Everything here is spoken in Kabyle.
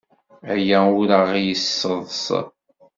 Aya ur aɣ-yesseḍs.